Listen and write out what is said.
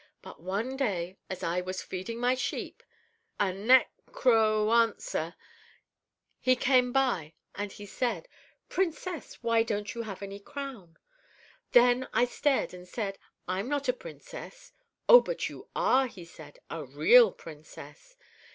But one day, as I was feeding my sheep, a ne cro answer he came by and he said: "'Princess, why don't you have any crown?' "Then I stared, and said, 'I'm not a Princess.' "'Oh, but you are,' he said; 'a real Princess.'